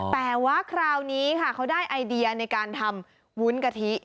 แต่ว่าคราวนี้ค่ะเขาได้ไอเดียในการทำวุ้นกะทิ